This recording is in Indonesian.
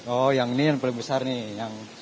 oh yang ini yang paling besar nih yang